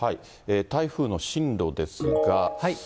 台風の進路ですが。